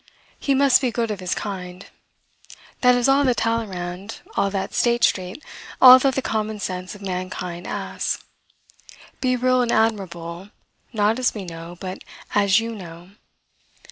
He must be good of his kind. That is all that Talleyrand, all that State street, all that the common sense of mankind asks. Be real and admirable, not as we know, but as you know.